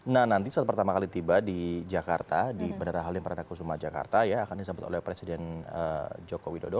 nah nanti saat pertama kali tiba di jakarta di bandara halim perdana kusuma jakarta ya akan disambut oleh presiden joko widodo